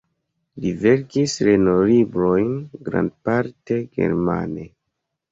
Li verkis lernolibrojn grandparte germane.